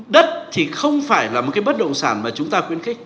đất thì không phải là một cái bất động sản mà chúng ta khuyến khích